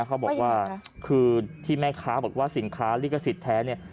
เขาบอกว่าคือที่แม่ค้าบอกว่าสินค้าลิขสิทธิแท้เนี่ย